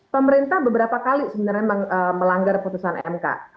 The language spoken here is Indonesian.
pemerintah beberapa kali sebenarnya melanggar putusan mk